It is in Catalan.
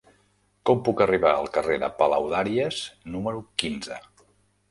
Com puc arribar al carrer de Palaudàries número quinze?